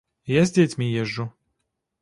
Я з дзецьмі езджу.